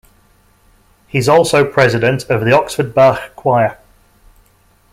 He is also president of the Oxford Bach Choir.